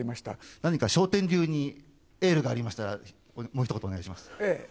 何か笑点流にエールがありましたら、もうひと言お願いします。